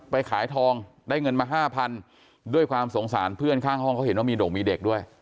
ไปขายทองได้เงินมาห้าพันด้วยความสงสารเพื่อนข้างห้องเขาเห็นว่ามีด่งมีเด็กด้วย